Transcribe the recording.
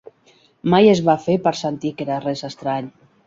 Mai es va fer per sentir que era res estrany.